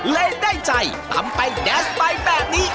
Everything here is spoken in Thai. และได้ใจทำไปแดดสไตล์แบบนี้